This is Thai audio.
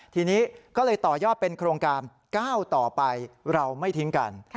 ทีนี้ก็เลยต่อยอดเป็นโครงการก้าวต่อไปเราไม่ทิ้งกัน